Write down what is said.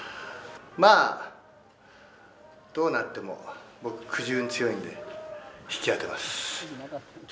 まぁ、どうなっても僕、くじ運強いんで引き当てます。